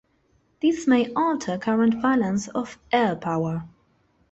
This may alter current balance of air power.